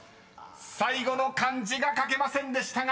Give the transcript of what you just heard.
［最後の漢字が書けませんでしたが］